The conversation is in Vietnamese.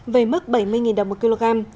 về mức bảy mươi đồng một kg